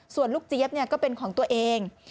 ส่วนลูกเจี๊ยบก็เป็นของตัวเอง